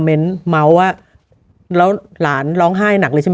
เน้นเมาส์ว่าแล้วหลานร้องไห้หนักเลยใช่ไหม